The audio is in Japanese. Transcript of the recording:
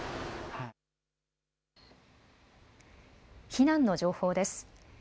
避難の情報です。